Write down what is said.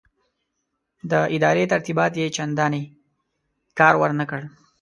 د ادارې ترتیبات یې چنداني کار ورنه کړ.